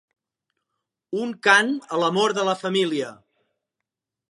“Un cant a l’amor de la família”.